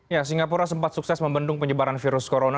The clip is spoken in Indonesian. ya singapura sempat sukses membendung penyebaran virus corona